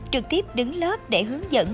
trực tiếp đứng lớp để hướng dẫn